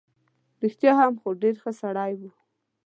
رښتیا هم، خو ډېر ښه سړی وو.